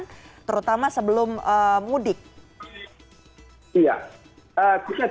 oke berarti kuncinya adalah kapan nih waktu yang paling tepat sebaiknya dilakukan pengecekan berkala terhadap kendaraan